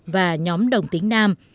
và nhóm đồng tính nam